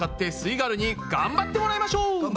イガールに頑張ってもらいましょう！